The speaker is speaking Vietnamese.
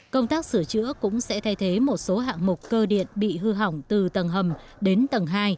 công tác sửa chữa cũng sẽ thay thế một số hạng mục cơ điện bị hư hỏng từ tầng hầm đến tầng hai